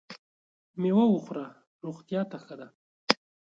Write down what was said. مېوه وخوره ! روغتیا ته ښه ده .